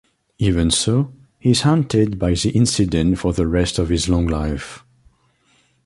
Even so, he's haunted by the incident for the rest of his long life.